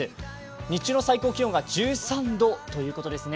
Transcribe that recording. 日中の最高気温が１３度ということですね。